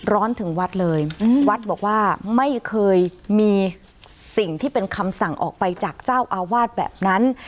ร้อนถึงวัดเลยวัดบอกว่าไม่เคยมีสิ่งที่เป็นคำสั่งออกไปจากเจ้าอาวาสแบบนั้น